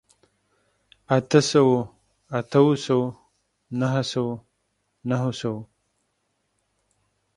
اته سوو، اتو سوو، نهه سوو، نهو سوو